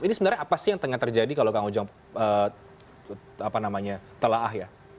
ini sebenarnya apa sih yang tengah terjadi kalau kang ujang telah ah ya